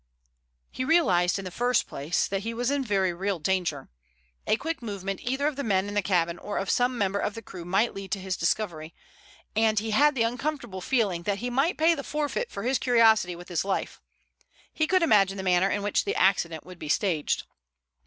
He realized in the first place that he was in very real danger. A quick movement either of the men in the cabin or of some member of the crew might lead to his discovery, and he had the uncomfortable feeling that he might pay the forfeit for his curiosity with his life. He could imagine the manner in which the "accident" would be staged.